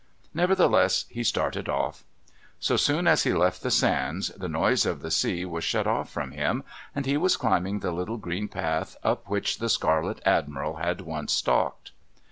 Nevertheless, he started off. So soon as he left the sands the noise of the sea was shut off from him, and he was climbing the little green path up which the Scarlet Admiral had once stalked.